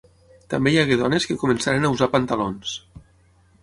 També hi hagué dones que començaren a usar pantalons.